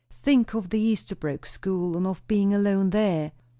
Think of the Esterbrooke school, and of being alone there!